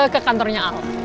ke kantornya al